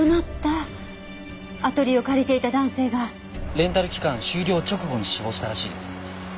レンタル期間終了の直後に死亡したらしいです。